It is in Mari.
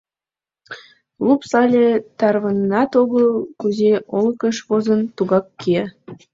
Лупс але тарваненат огыл: кузе олыкыш возын, тугак кия.